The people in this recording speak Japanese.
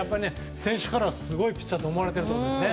選手からすごいピッチャーだと思われてるってことですね。